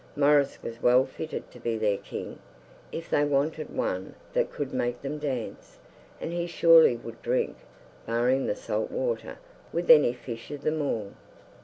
Maurice was well fitted to be their king, if they wanted one that could make them dance; and he surely would drink, barring the salt water, with any fish of them all.